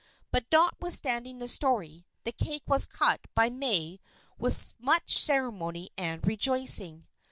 But, notwithstanding the story, the cake was cut by May with much ceremony and rejoicing.